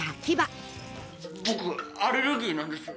僕アレルギーなんです。